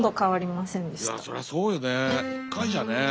そりゃそうよね１回じゃね。